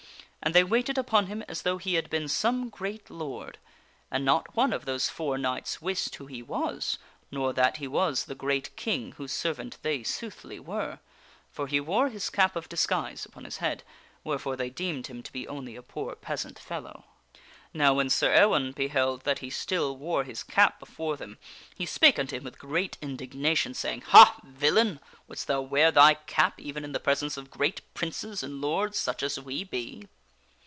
And they waited upon him as though he had been some great lord. And not one of those four knights wist who he was, nor that he was the great King whose servant they, soothly, were. For he wore his cap of disguise upon his head, wherefore they deemed him to be only a poor peasant fellow. Now when Sir Ewaine beheld that he still wore his cap before them, he spake unto him with great indignation, saying :" Ha, villian ! Wouldst thou wear thy cap even in the presence of great princes and lords such as we be